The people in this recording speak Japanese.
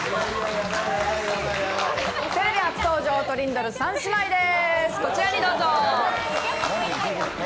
テレビ初登場トリンドル３姉妹です。